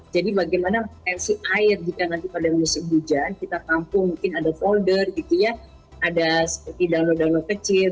jadi bagaimana potensi air jika nanti pada musim hujan kita kampung mungkin ada folder gitu ya ada seperti download download kecil